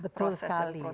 benar betul sekali